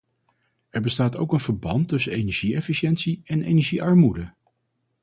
Er bestaat ook een verband tussen energie-efficiëntie en energiearmoede.